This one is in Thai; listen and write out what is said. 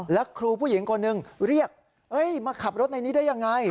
แล้วครูผู้หญิงคนหนึ่งเรียกมาขับรถในนี้ได้ยังไง